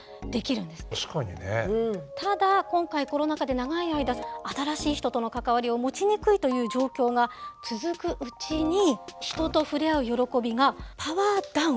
ただ今回コロナ禍で長い間新しい人との関わりを持ちにくいという状況が続くうちに人と触れ合う喜びがパワーダウン。